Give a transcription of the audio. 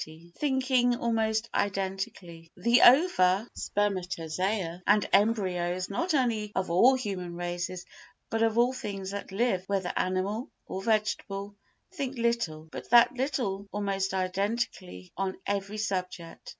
] Thinking almost Identically The ova, spermatozoa and embryos not only of all human races but of all things that live, whether animal or vegetable, think little, but that little almost identically on every subject.